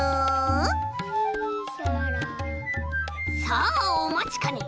さあおまちかね。